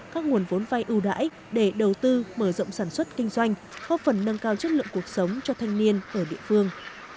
các nguồn vốn vai ưu đãi để đầu tư mở rộng sản xuất kinh doanh góp phần nâng cao chất lượng cuộc sống cho thanh niên ở địa phương